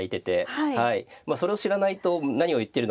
まあそれを知らないと何を言ってるのかなって。